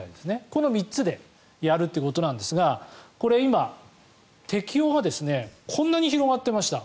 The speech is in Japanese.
この３つでやるみたいですがこれ今、適用がこんなに広がっていました。